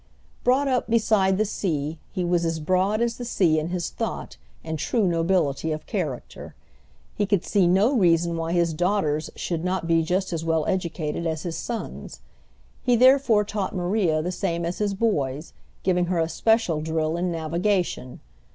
Brought up beside the sea, he was as broad as the sea in his thought and true nobility of character. He could see no reason why his daughters should not be just as well educated as his sons. He therefore taught Maria the same as his boys, giving her especial drill in navigation.